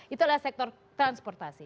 itu adalah sektor transportasi